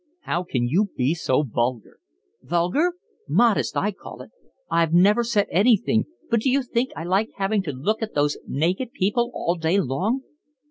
"How can you be so vulgar?" "Vulgar? Modest, I call it. I've never said anything, but d'you think I like having to look at those naked people all day long."